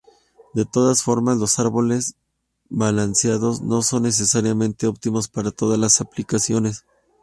De todas formas, los árboles balanceados no son necesariamente óptimos para todas las aplicaciones.